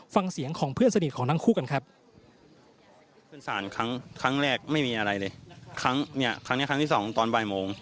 ฟังเสียงของเพื่อนสนิทของทั้งคู่กันครับ